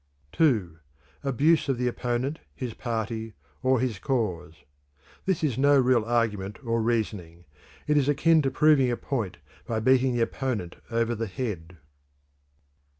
(2) Abuse of the opponent, his party, or his cause. This is no real argument or reasoning. It is akin to proving a point by beating the opponent over the head.